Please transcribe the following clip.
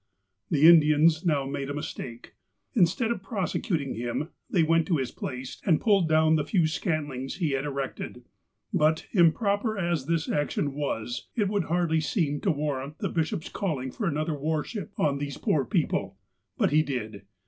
The Indians now made a mistake. Instead of prose cuting him, they went to his place and pulled down the few scantlings he had erected. But, improper as this action was, it would hardly seem to warrant the bishop's calling for another war ship on to these poor people. But he did.